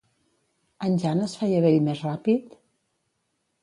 En Jan es feia vell més ràpid?